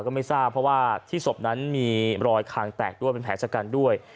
ก็ไม่ทราบเพราะว่าที่ศพนั้นมีรอยคางแตกด้วยเป็นแผลชะกันด้วย